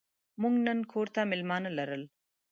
موږ نن کور ته مېلمانه لرل.